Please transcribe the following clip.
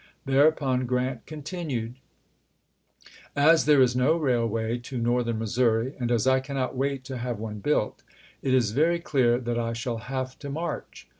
Thereupon Grant continued : "As there is no railway to northern Missouri, and as I cannot wait to have one built, it is very clear that I shall have to march.